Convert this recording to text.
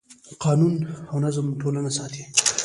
قانون او نظم ټولنه ساتي.